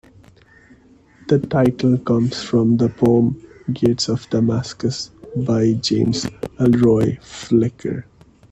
The title comes from the poem "Gates of Damascus" by James Elroy Flecker.